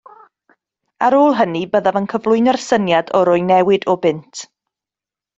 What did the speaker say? Ar ôl hynny byddaf yn cyflwyno'r syniad o roi newid o bunt